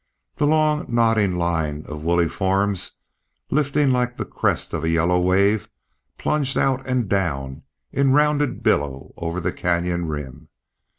The long nodding line of woolly forms, lifting like the crest of a yellow wave, plunged out and down in rounded billow over the canyon rim.